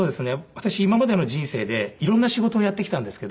私今までの人生で色んな仕事をやってきたんですけど。